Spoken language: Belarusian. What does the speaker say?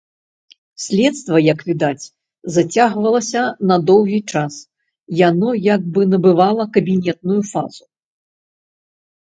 Следства, як відаць, зацягвалася на доўгі час, яно як бы набывала кабінетную фазу.